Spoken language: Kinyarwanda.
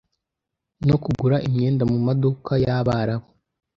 no kugura imyenda mu maduka y'Abarabu.